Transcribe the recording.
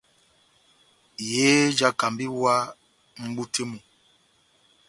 Yehé jáhákamba iwa mʼbú tɛ́h mú.